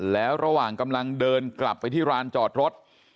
แล้วระหว่างกำลังเดินกลับไปที่ร้านจอดรถ